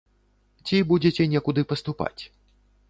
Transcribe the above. Ці будзеце некуды паступаць?